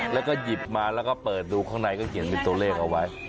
แล้วก็หยิบมาแล้วก็เปิดดูข้างในก็เขียนเป็นตัวเลขเอาไว้